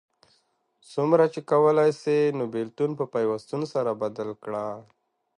څومره چی کولای سې نو بیلتون په پیوستون سره بدل کړه